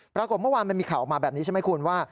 ปรากฏเมื่อวานมันมีข่าวออกมาแบบนี้ใช่ไหมคุณว่า